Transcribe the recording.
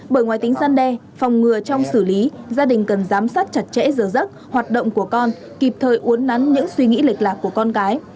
bởi ngoài tính gian đe phòng ngừa trong xử lý gia đình cần giám sát chặt chẽ giờ giấc hoạt động của con kịp thời uốn nắn những suy nghĩ lệch lạc của con cái